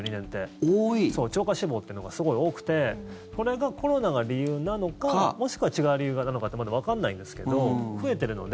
超過死亡っていうのがすごい多くてこれがコロナが理由なのかもしくは違う理由なのかってまだわかんないんですけど増えてるので。